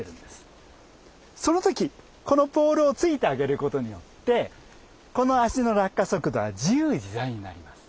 その時このポールを突いてあげることによってこの脚の落下速度は自由自在になります。